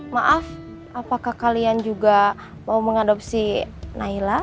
maaf apakah kalian juga mau mengadopsi naila